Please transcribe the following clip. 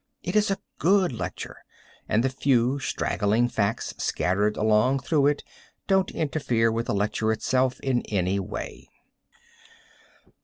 It is a good lecture, and the few straggling facts scattered along through it don't interfere with the lecture itself in any way.